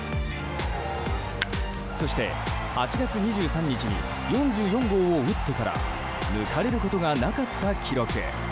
そして、８月２３日に４４号を打ってから抜かれることがなかった記録。